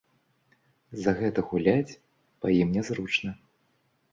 З-за гэта гуляць па ім нязручна.